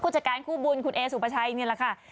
จัดการคู่บุญคุณเอสุปชัยนี่แหละค่ะ